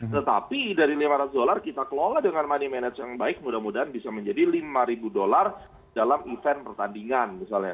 tetapi dari lima ratus dolar kita kelola dengan money manage yang baik mudah mudahan bisa menjadi lima ribu dolar dalam event pertandingan misalnya